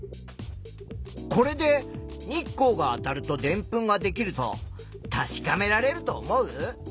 これで日光があたるとでんぷんができると確かめられると思う？